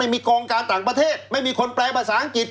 มีกองการต่างประเทศไม่มีคนแปลภาษาอังกฤษ